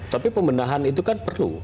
tapi pembenahan itu kan perlu